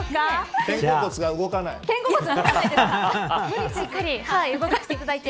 肩甲骨が動かない。